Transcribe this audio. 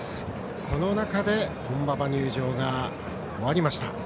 その中で本馬場入場が終わりました。